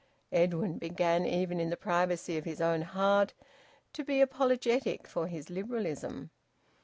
Edwin began, even in the privacy of his own heart, to be apologetic for his Liberalism.